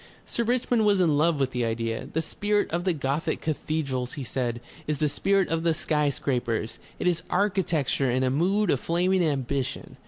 Sir Richmond was in love with his idea. "The spirit of the Gothic cathedrals," he said, "is the spirit of the sky scrapers. It is architecture in a mood of flaming ambition.